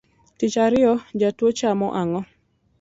Tich ariyo jotuo chamo ang’o?